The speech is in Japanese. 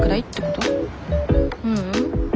ううん。